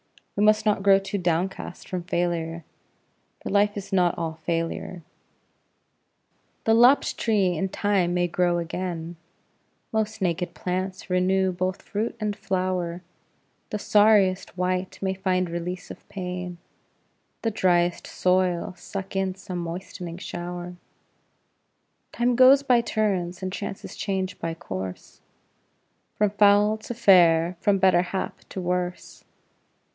We must not grow too downcast from failure, for life is not all failure. The lopped tree in time may grow again, Most naked plants renew both fruit and flower; The sorriest wight may find release of pain, The driest soil suck in some moistening shower; Time goes by turns, and chances change by course, From foul to fair, from better hap to worse.